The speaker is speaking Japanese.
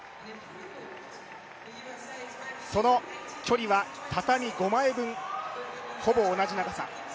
その距離は畳５枚分、ほぼ同じ長さ。